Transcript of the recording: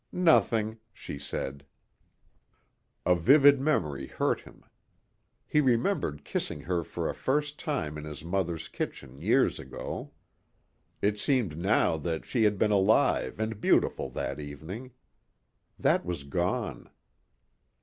"Nothing," she said. A vivid memory hurt him. He remembered kissing her for a first time in his mother's kitchen years ago. It seemed now that she had been alive and beautiful that evening. That was gone.